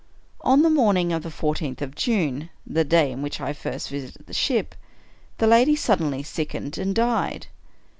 On the morning of the fourteenth of June (the day in which I first visited the ship), the lady suddenly sick ened and died.